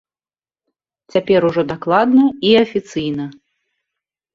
Цяпер ужо дакладна і афіцыйна!